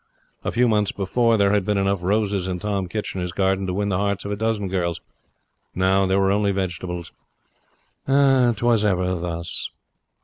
A few months before there had been enough roses in Tom Kitchener's garden to win the hearts of a dozen girls. Now there were only vegetables, 'Twas ever thus.